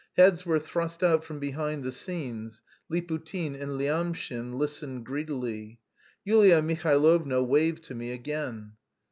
Heads were thrust out from behind the scenes; Liputin and Lyamshin listened greedily. Yulia Mihailovna waved to me again.